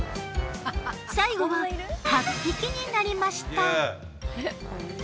最後は８匹になりました。